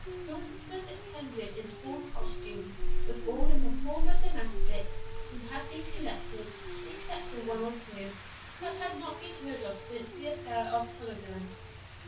Saunderson attended in full costume, with all the former domestics, who had been collected, excepting one or two, that had not been heard of since the affair of Culloden.